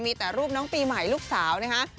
มีแต่รูปน้องปีใหม่ลูกสาวนะฮะ